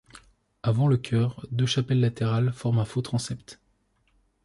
Avant le chœur, deux chapelles latérales forment un faux transept.